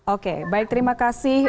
oke baik terima kasih